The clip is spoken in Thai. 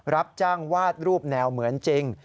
รับจ้างวาดรูปแนวเหมือนจริง